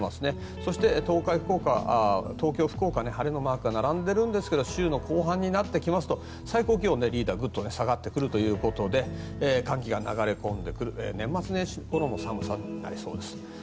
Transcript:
そして、東京、福岡は晴れのマークが並んでいるんですが週後半になってきますと最高気温がグッと下がってくるということで寒気が流れ込んでくる年末年始ごろの寒さとなりそうです。